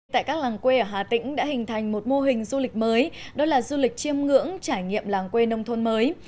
tại các làng quê ở hà tĩnh đã hình thành một mô hình du lịch mới đó là du lịch chiêm ngưỡng trải nghiệm làng quê nông thôn mới